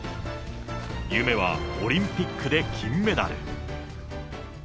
夢はオリンピックで金メダル。